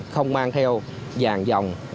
không mang theo vàng dòng